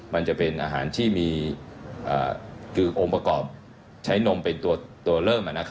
มันจะเป็นอาหารที่มีคือองค์ประกอบใช้นมเป็นตัวเริ่ม